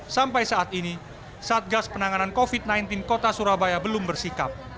sampai saat ini satgas penanganan covid sembilan belas kota surabaya belum bersikap